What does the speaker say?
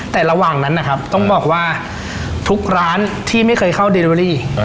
แต่ระหว่างนั้นนะครับต้องบอกว่าทุกร้านที่ไม่เคยเข้าเดโอรี่